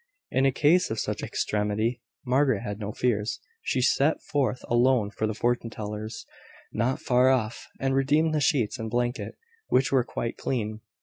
In a case of such extremity, Margaret had no fears. She set forth alone for the fortune teller's, not far off, and redeemed the sheets and blanket, which were quite clean.